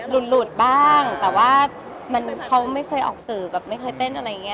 หลุดบ้างแต่ว่าเขาไม่เคยออกสื่อแบบไม่เคยเต้นอะไรอย่างนี้